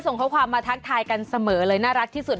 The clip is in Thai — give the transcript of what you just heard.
ส่งข้อความมาทักทายกันเสมอเลยน่ารักที่สุด